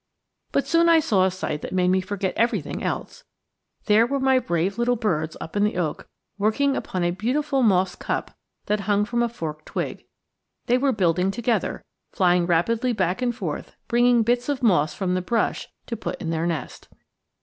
But soon I saw a sight that made me forget everything else. There were my brave little birds up in the oak working upon a beautiful moss cup that hung from a forked twig. They were building together, flying rapidly back and forth bringing bits of moss from the brush to put in their nest.